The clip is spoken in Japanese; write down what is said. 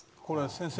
先生